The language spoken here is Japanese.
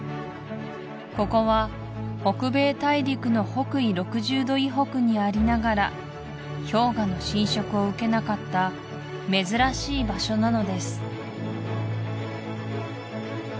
ここは北米大陸の北緯６０度以北にありながら氷河の浸食を受けなかった珍しい場所なのです